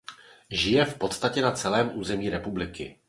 Žije v podstatě na celém území republiky.